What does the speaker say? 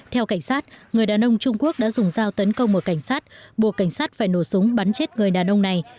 theo cảnh sát người đàn ông trung quốc đã dùng dao tấn công một cảnh sát buộc cảnh sát phải nổ súng bắn chết người đàn ông này